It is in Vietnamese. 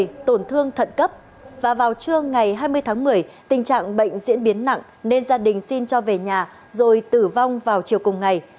vì tổn thương thận cấp và vào trưa ngày hai mươi tháng một mươi tình trạng bệnh diễn biến nặng nên gia đình xin cho về nhà rồi tử vong vào chiều cùng ngày